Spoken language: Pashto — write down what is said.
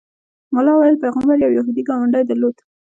ملا ویل پیغمبر یو یهودي ګاونډی درلود.